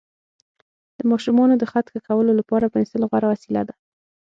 د ماشومانو د خط ښه کولو لپاره پنسل غوره وسیله ده.